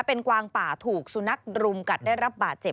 เป็นกวางป่าถูกสุนัขรุมกัดได้รับบาดเจ็บ